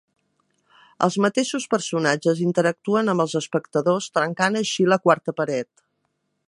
Els mateixos personatges interactuen amb els espectadors, trencant així la quarta paret.